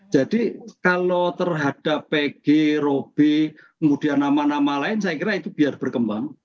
jadi kalau terhadap pegi robi kemudian nama nama lain saya kira itu biar berkembang